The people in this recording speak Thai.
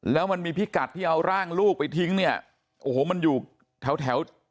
แล้วมันมีพิกัดที่เอาร่างลูกไปทิ้งเนี่ยโอ้โหมันอยู่แถวแถว